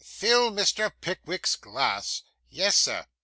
'Fill Mr. Pickwick's glass.' 'Yes, sir.